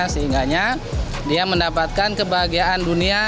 sehingganya dia mendapatkan kebahagiaan dunia